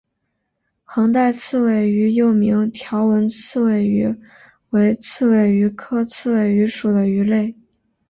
横带刺尾鱼又名条纹刺尾鱼为刺尾鱼科刺尾鱼属的鱼类。